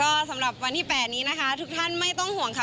ก็สำหรับวันที่๘นี้นะคะทุกท่านไม่ต้องห่วงค่ะ